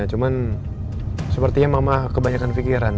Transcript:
cuman sepertinya mama kebanyakan pikiran